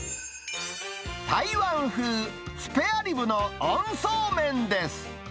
台湾風スペアリブの温そうめんです。